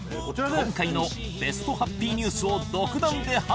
今回のベストハッピーニュースを独断で発表。